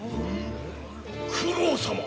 九郎様